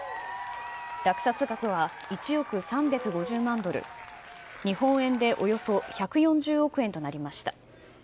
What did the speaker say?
落札額は１億３５０万ドル、日本円でおよそ１４０億円となりました。